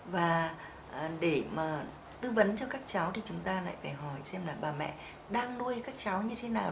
và để mà tư vấn cho các cháu thì chúng ta lại phải hỏi xem là bà mẹ đang nuôi các cháu như thế nào